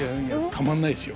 たまんないですよ。